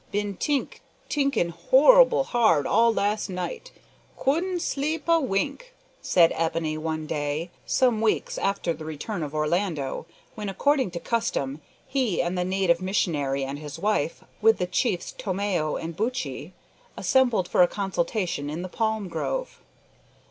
"Bin t'ink, t'inkin' horroble hard all last night. Couldn' sleep a wink," said Ebony one day, some weeks after the return of Orlando, when, according to custom, he and the native missionary and his wife, with the chiefs Tomeo and Buttchee, assembled for a consultation in the palm grove.